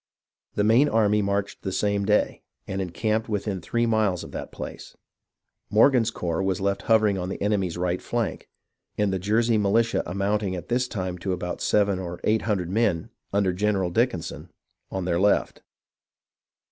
The main army marched the same day, and encamped within three miles of that place. Morgan's corps was left hovering on the enemy's right flank, and the Jersey militia amounting at this time to about seven or eight hundred men, under General Dickinson, on their left.